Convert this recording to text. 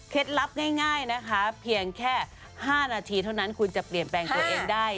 ลับง่ายนะคะเพียงแค่๕นาทีเท่านั้นคุณจะเปลี่ยนแปลงตัวเองได้